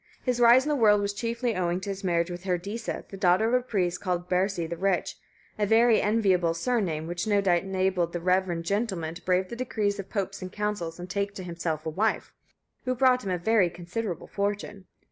His rise in the world was chiefly owing to his marriage with Herdisa, the daughter of a priest called Bersi the Rich, a very enviable surname, which no doubt enabled the Rev. gentleman to brave the decrees of Popes and Councils, and take to himself a wife who brought him a very considerable fortune.